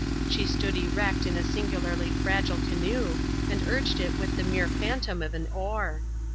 She stood erect in a singularly fragile canoe, and urged it with the mere phantom of an oar.